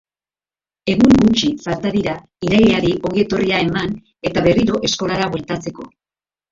Egun gutxi falta dira irailari ongietorria eman eta berriro eskolara bueltatzeko.